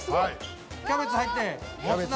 キャベツ入ってモツ鍋。